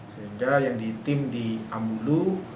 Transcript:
sehingga yang ditim di ambulu